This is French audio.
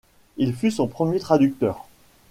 Il fut son premier traducteur.